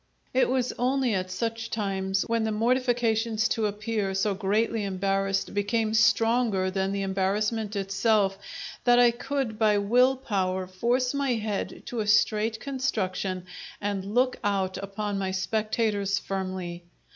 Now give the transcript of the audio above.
It was only at such times when the mortifications to appear so greatly embarrassed became stronger than the embarrassment itself that I could by will power force my head to a straight construction and look out upon my spectators firmly.